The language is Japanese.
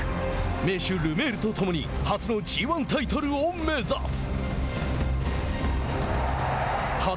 名手・ルメールと共に初のＧ１タイトルを目指す。